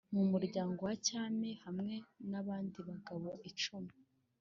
mu muryango wa cyami hamwe n abandi bagabo icumi